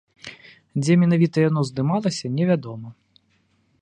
Дзе менавіта яно здымалася, невядома.